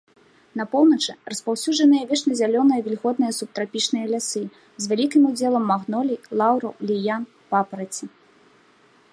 На поўначы распаўсюджаныя вечназялёныя вільготныя субтрапічныя лясы з вялікім удзелам магнолій, лаўраў, ліян, папараці.